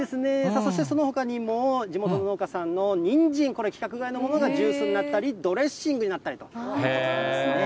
そしてそのほかにも、地元の農家さんのニンジン、これ、規格外のものがジュースになったり、ドレッシングになったりということなんですね。